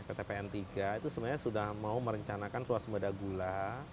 ptpn tiga itu sebenarnya sudah mau merencanakan swasmbada gula